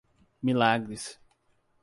Milagres